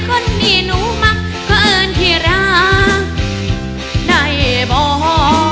คนนี้หนูมักเพราะเอิญที่รักได้บอก